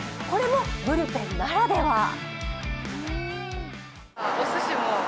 これもブルペンならでは。